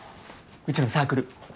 うちのサークル。